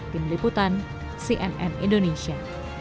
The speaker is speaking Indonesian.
tim liputan cnn indonesia